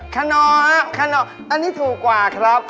คณออันนี้ถูกกว่าครับ